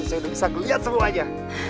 saya udah bisa kelihatan semuanya